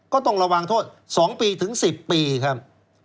ก็ต้องระวังโทษ๒ปีถึง๑๐ปีครับ